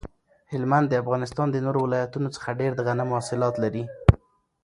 هلمند د افغانستان د نورو ولایتونو څخه ډیر د غنمو حاصلات لري